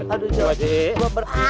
aduh jahat gua